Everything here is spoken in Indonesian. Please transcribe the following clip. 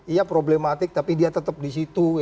iya problematik tapi dia tetap di situ